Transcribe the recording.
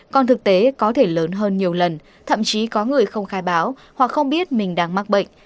còn thực tế có thể lớn hơn nhiều lần thậm chí có người không khai báo hoặc không biết mình đang mắc bệnh